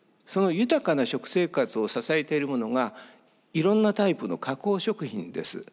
その豊かな食生活を支えているものがいろんなタイプの加工食品です。